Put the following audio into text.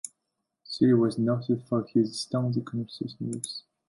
Siri was noted for his staunchly conservative views.